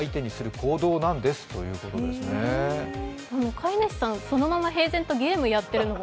飼い主さん、そのまま平然とゲームやってるのが。